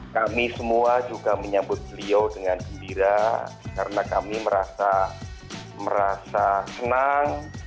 kami semua juga menyambut beliau dengan gembira karena kami merasa senang